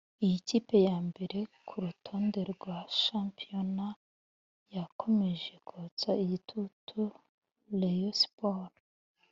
Iyi kipe ya mbere ku rutonde rwa shampiyona yakomeje kotsa igitutu Rayon Sports